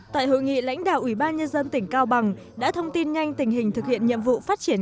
tại hội nghị lãnh đạo ủy ban nhân dân tỉnh cao bằng đã thông tin nhanh tình hình thực hiện nhiệm vụ phát triển